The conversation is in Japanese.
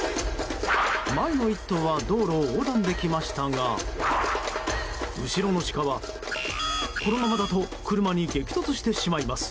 前の１頭は道路を横断できましたが後ろのシカはこのままだと車に激突してしまいます。